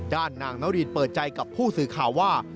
ด้านนางนารินเปิดใจกับผู้สื่อข่าวว่า